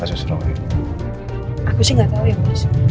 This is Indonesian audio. aku sih gak tau ya mas